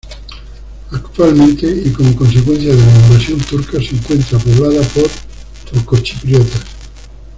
Actualmente, y como consecuencia de la invasión turca, se encuentra poblada por turco-chipriotas.